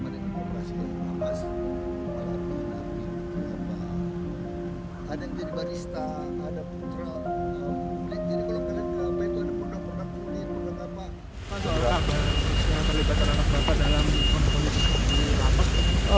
bagaimana terlibat anak bapak dalam konflik konflik apa